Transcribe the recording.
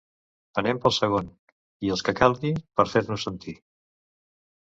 Anem pel segon… i els que calguin per fer-nos sentir.